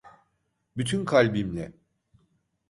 Bütün kalbimle.